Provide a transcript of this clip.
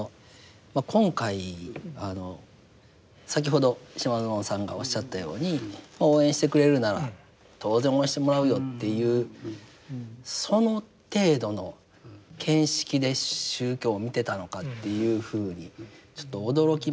今回先ほど島薗さんがおっしゃったように応援してくれるなら当然応援してもらうよっていうその程度の見識で宗教を見てたのかっていうふうにちょっと驚きますよね。